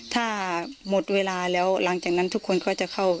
ถ้าหมดเวลาแล้วหลังจากนั้นทุกคนก็จะเข้า